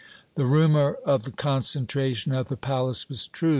The rumor of the concentration at the palace was true.